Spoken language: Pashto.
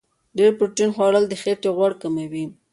ډېر پروتین خوړل د خېټې غوړ کموي.